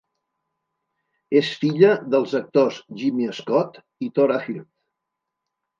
És filla dels actors Jimmy Scott i Thora Hird.